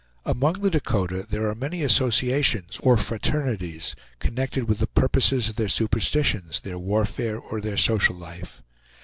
Among the Dakota there are many associations, or fraternities, connected with the purposes of their superstitions, their warfare, or their social life.